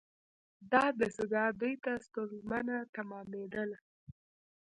دا دستگاه دوی ته ستونزمنه تمامیدله.